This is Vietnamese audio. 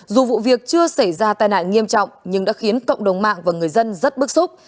dù vụ việc chưa xảy ra tai nạn nghiêm trọng nhưng đã khiến cộng đồng mạng và người dân rất bức xúc